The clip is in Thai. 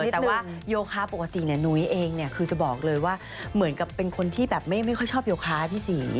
แต่ว่าโยคะปกตินุ้ยเองเนี่ยคือจะบอกเลยว่าเหมือนกับเป็นคนที่แบบไม่ค่อยชอบโยคะพี่ศรี